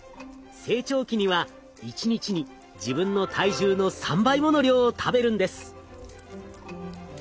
成長期には１日に自分の体重の３倍もの量を食べるんです。